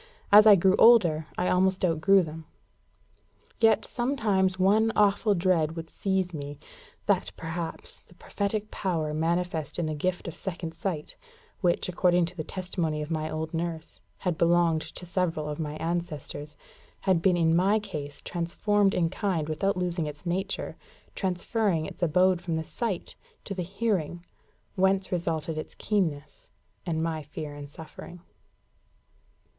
As I grew older, I almost outgrew them. Yet sometimes one awful dread would seize me that, perhaps, the prophetic power manifest in the gift of second sight, which, according to the testimony of my old nurse, had belonged to several of my ancestors, had been in my case transformed in kind without losing its nature, transferring its abode from the sight to the hearing, whence resulted its keenness, and my fear and suffering.